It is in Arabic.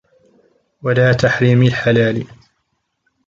وَلَا تَحْرِيمِ الْحَلَالِ